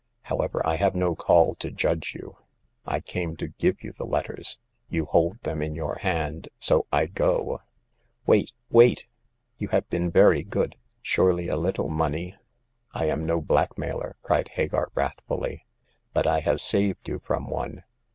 However, I have no call to judge you. I came to give you the letters ; you hold them in your hand ; so I go." Wait ! wait ! You have been very good. Surely a little money "I am no blackmailer !" cried Hagar, wrath fuUy; but I have saved you from one.